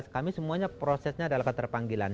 kami semuanya prosesnya adalah keterpanggilan